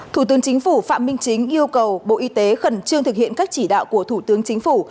thủ tướng chính phủ phạm minh chính yêu cầu bộ y tế khẩn trương thực hiện các chỉ đạo của thủ tướng chính phủ